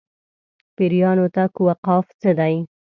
پېریانو ته کوه قاف څه دي.